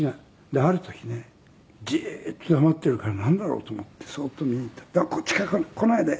である時ねじーっと黙っているからなんだろう？と思ってそーっと見に行ったら「こっち来ないで！」。